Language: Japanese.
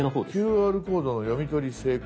「ＱＲコードの読み取り成功」。